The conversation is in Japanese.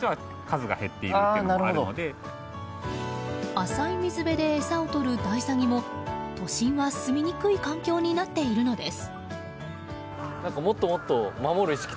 浅い水辺で餌をとるダイサギも都心はすみにくい環境になっているのです。